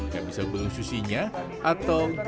gak bisa belung sushi nya atau gebrangnya ya